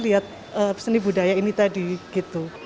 lihat seni budaya ini tadi gitu